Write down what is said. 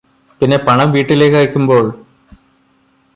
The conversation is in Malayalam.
പിന്നെ പണം വീട്ടിലേക്ക് അയക്കുമ്പോൾ